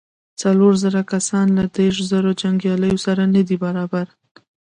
څلور زره کسان له دېرشو زرو جنګياليو سره نه دې برابر.